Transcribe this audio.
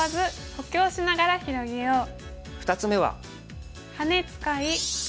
２つ目は。